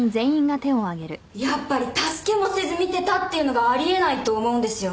やっぱり助けもせず見てたっていうのがあり得ないと思うんですよね。